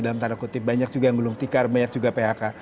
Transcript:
dalam tanda kutip banyak juga yang gulung tikar banyak juga phk